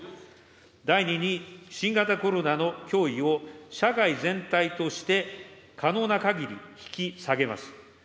第２に、新型コロナの脅威を社会全体として可能なかぎり引き下げます。